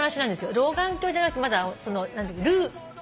老眼鏡じゃなくてまだ。